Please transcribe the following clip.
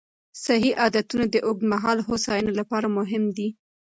صحي عادتونه د اوږدمهاله هوساینې لپاره مهم دي.